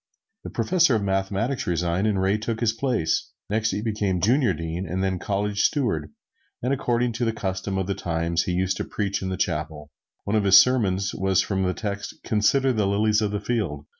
The professor of mathematics resigned and Ray took his place; next he became Junior Dean, and then College Steward; and according to the custom of the times he used to preach in the chapel. One of his sermons was from the text, "Consider the lilies of the field."